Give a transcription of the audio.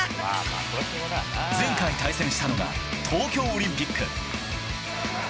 前回対戦したのが東京オリンピック。